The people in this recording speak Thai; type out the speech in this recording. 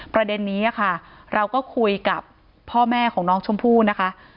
ประเด็นนี้ค่ะเราก็คุยกับพ่อแม่ของน้องชมพู่นะคะ